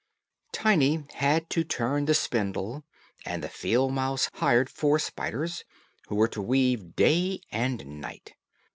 Tiny had to turn the spindle, and the field mouse hired four spiders, who were to weave day and night.